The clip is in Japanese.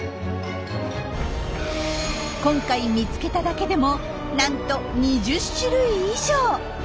今回見つけただけでもなんと２０種類以上！